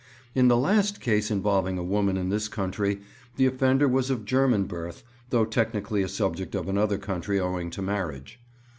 'In the last case involving a woman in this country the offender was of German birth, though technically a subject of another country owing to marriage.